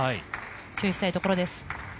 注意したいところです。